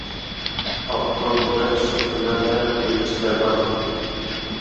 ئاپتور دەل شۇ كۈنلەردە ئۈرۈمچىدە بار ئىدى.